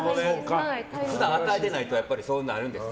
普段与えてないとそうなるんですね。